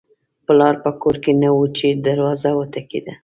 پلار په کور کې نه و چې دروازه وټکېده